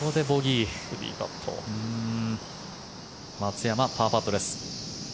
松山、パーパットです。